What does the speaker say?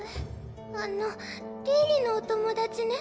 あのリーリのお友達ね